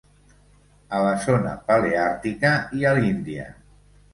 A la zona paleàrtica i a l'Índia.